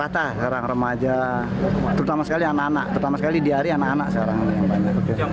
rata sekarang remaja terutama sekali anak anak terutama sekali diare anak anak sekarang